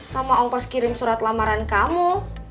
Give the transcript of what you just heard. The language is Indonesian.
sama ongkos kirim surat lamaran kamu